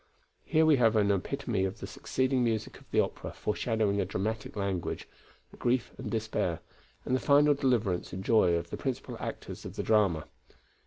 Here we have an epitome of the succeeding music of the opera, foreshadowing in dramatic language, the grief and despair, and the final deliverance and joy of the principal actors of the drama.